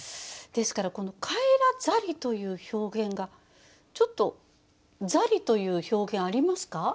ですからこの「返らざり」という表現がちょっと「ざり」という表現ありますか？